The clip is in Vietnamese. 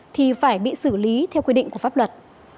thì phải bị xử lý theo quy định của pháp luật